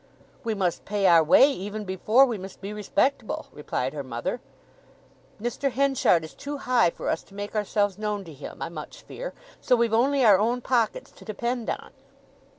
"We must pay our way even before we must be respectable," replied her mother. "Mr. Henchard is too high for us to make ourselves known to him, I much fear; so we've only our own pockets to depend on."